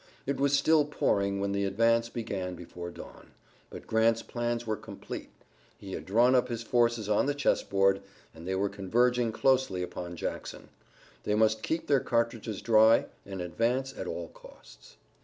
It was still pouring when the advance began before dawn, but Grant's plans were complete. He had drawn up his forces on the chessboard, and they were converging closely upon Jackson. They must keep their cartridges dry and advance at all costs.